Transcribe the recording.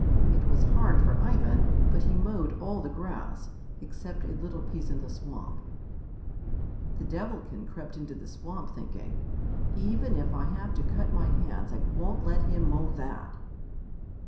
It was hard for Ivan, but he mowed all the grass, except a little piece in the swamp. The Devilkin crept into the swamp, thinking, "Even if I have to cut my hands I won't let him mow that!"